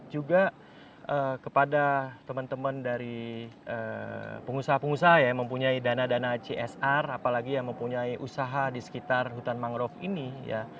juga kepada teman teman dari pengusaha pengusaha yang mempunyai dana dana csr apalagi yang mempunyai usaha di sekitar hutan mangrove ini ya